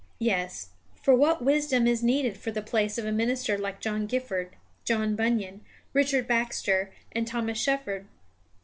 Yes; for what wisdom is needed for the place of a minister like John Gifford, John Bunyan, Richard Baxter, and Thomas Shepard!